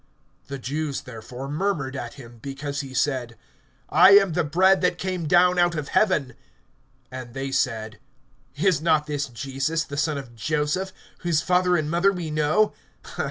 (41)The Jews therefore murmured at him, because he said: I am the bread that came down out of heaven. (42)And they said: Is not this Jesus, the son of Joseph, whose father and mother we know?